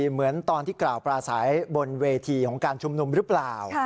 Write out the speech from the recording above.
เหมือนตอนที่กล่าวปลาใสบนเวทีของการชุมนุมหรือเปล่า